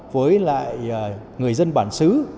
với người dân bản xứ